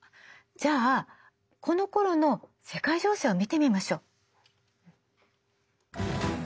じゃあこのころの世界情勢を見てみましょう。